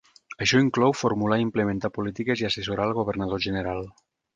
Això inclou formular i implementar polítiques i assessorar el governador general.